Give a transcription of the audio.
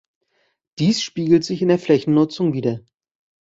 Dies spiegelt sich in der Flächennutzung wider.